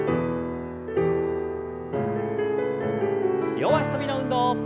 両脚跳びの運動。